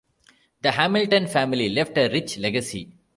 The Hamilton family left a rich legacy.